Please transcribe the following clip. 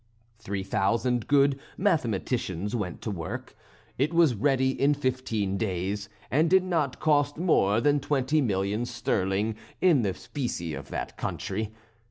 Three thousand good mathematicians went to work; it was ready in fifteen days, and did not cost more than twenty million sterling in the specie of that country.